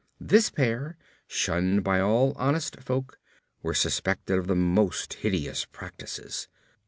This pair, shunned by all honest folk, were suspected of the most hideous practices.